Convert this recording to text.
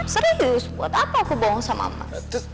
serius buat apa aku bohong sama emak